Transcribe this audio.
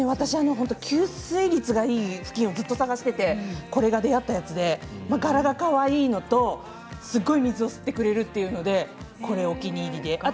吸水率がいいふきんをずっと探していてこれが出会ったやつで柄が、かわいいのとすごい水を吸ってくれるのでこれがお気に入りで。